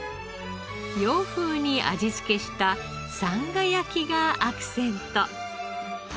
洋風に味付けしたさんが焼きがアクセント。